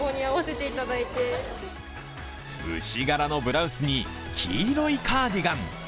牛柄のブラウスに黄色いカーディガン。